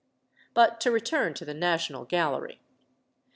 But to return to the National Gallery.